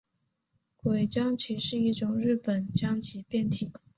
鬼将棋是一种日本将棋变体。